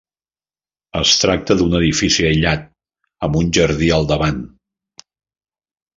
Es tracta d'un edifici aïllat amb un jardí al davant.